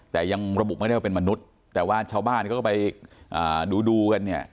แต่ยังระบุไม่ได้เป็นมนุษย์แต่ว่าเฉาบ้านก็ไปดูกันเนี่ย